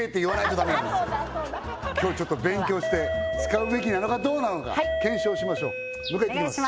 そうだ今日ちょっと勉強して使うべきなのかどうなのか検証しましょう迎え行ってきます